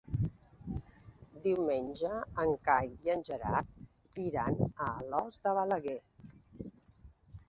Diumenge en Cai i en Gerard iran a Alòs de Balaguer.